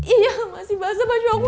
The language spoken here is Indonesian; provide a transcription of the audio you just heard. iya masih basah baju aku